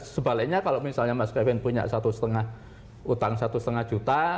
sebaliknya kalau misalnya mas kevin punya satu lima utang satu lima juta